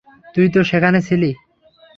তুই তো সেখানে ছিলি।